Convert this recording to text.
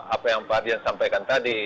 apa yang pak ardian sampaikan tadi